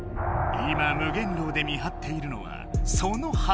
今無限牢で見張っているのはそのハルト鬼。